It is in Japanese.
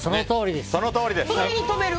そのとおりです！